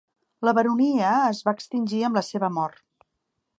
La baronia es va extingir amb la seva mort.